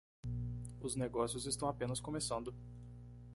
Os negócios estão apenas começando